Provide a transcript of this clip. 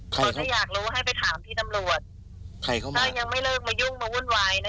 คือถ้าอยากรู้ให้ไปถามพี่ตำรวจถ้ายังไม่เลิกมายุ่งมาวุ่นวายนะ